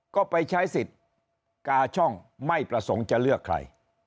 ก็ไปใช้สิทธิ์กาช่องไม่ประสงค์จะเลือกใคร